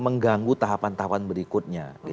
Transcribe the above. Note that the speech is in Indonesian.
mengganggu tahapan tahapan berikutnya